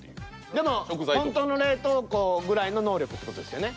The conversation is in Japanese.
でも本当の冷凍庫ぐらいの能力って事ですよね？